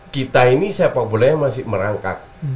kita ini saya populernya masih merangkak